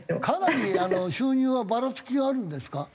かなり収入はバラつきはあるんですか？